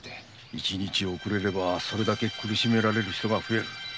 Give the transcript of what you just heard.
一日遅れればそれだけ苦しめられる人が増える。